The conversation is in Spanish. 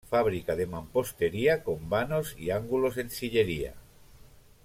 Fábrica de mampostería, con vanos y ángulos en sillería.